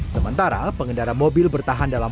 sementara pengendara mobil bertahan dalam